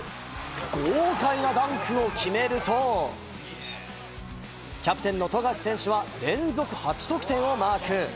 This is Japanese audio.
豪快なダンクを決めると、キャプテンの富樫選手は連続８得点をマーク。